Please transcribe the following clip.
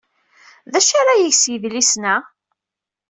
D acu ara yeg s yidlisen-a?